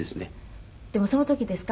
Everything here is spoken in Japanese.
でもその時ですか？